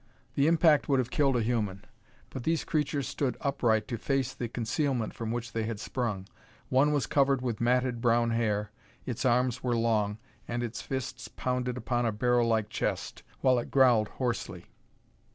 The impact would have killed a human, but these creatures stood upright to face the concealment from which they had sprung. One was covered with matted, brown hair. Its arms were long, and its fists pounded upon a barrel like chest, while it growled hoarsely.